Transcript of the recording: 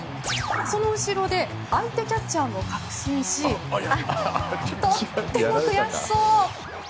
その後ろで相手キャッチャーも確信しとっても悔しそう。